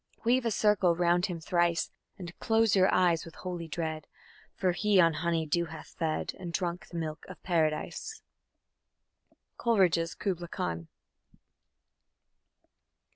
Weave a circle round him thrice, And close your eyes with holy dread, For he on honey dew hath fed And drunk the milk of Paradise. _Coleridge's Kubla Khan.